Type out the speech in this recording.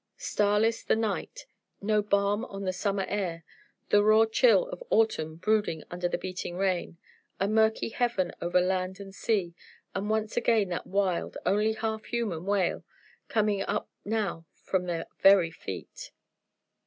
Starless the night; no balm on the summer air; the raw chill of autumn brooding under the beating rain; a murky heaven over land and sea; and once again that wild, only half human wail, coming up now from their very feet!